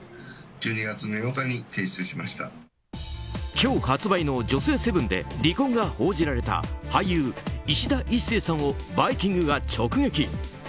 今日発売の「女性セブン」で離婚が報じられた俳優・いしだ壱成さんを「バイキング」が直撃。